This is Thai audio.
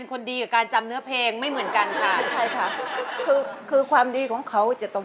ความหมายของแม่คือยังงี้จ้ะ